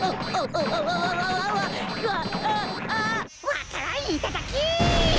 わか蘭いただき！